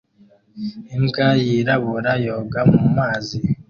Imbwa yirabura yoga mu mazi